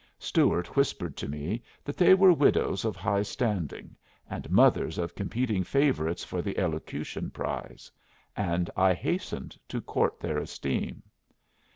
Stuart whispered to me that they were widows of high standing, and mothers of competing favorites for the elocution prize; and I hastened to court their esteem.